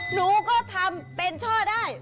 หนูก็ทำเป็นช่อได้